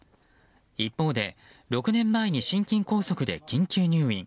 一方で６年前に心筋梗塞で緊急入院。